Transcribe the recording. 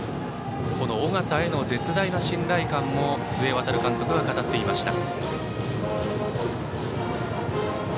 尾形への絶大な信頼感も須江航監督は語っていました。